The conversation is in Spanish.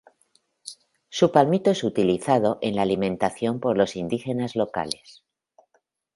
Su palmito es utilizado en la alimentación por los indígenas locales.